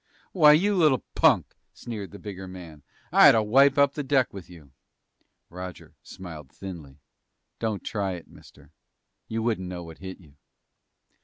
"Why, you little punk," sneered the bigger man, "I oughta wipe up the deck with you!" Roger smiled thinly. "Don't try it, mister. You wouldn't know what hit you!"